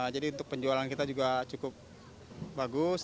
jadi untuk penjualan kita juga cukup bagus